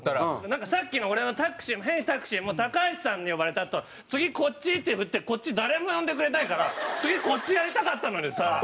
なんかさっきの俺の「タクシー」も「ヘイタクシー！」も高橋さんに呼ばれたあと「次こっち」って振ってこっち誰も呼んでくれないから次こっちやりたかったのにさ！